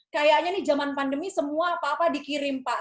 kayaknya nih zaman pandemi semua apa apa dikirim pak